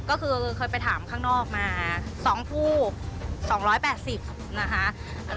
ก็คือเคยไปถามข้างนอกมา๒ผู้๒๘๐นะคะ